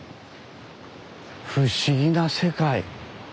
不思議な世界。